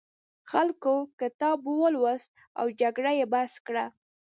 خلکو کتاب ولوست او جګړه یې بس کړه.